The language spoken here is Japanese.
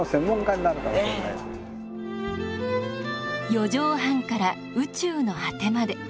四畳半から宇宙の果てまで。